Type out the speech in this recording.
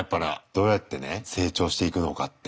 どうやってね成長していくのかって。